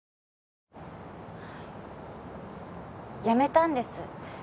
やめたんです。